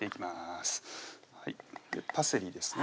パセリですね